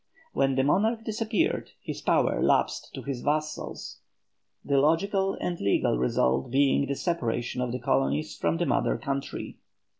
When the monarch disappeared, his power lapsed to his vassals; the logical and legal result being the separation of the colonies from the mother country.